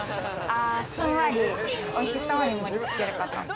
ふんわり、おいしそうに盛り付けること。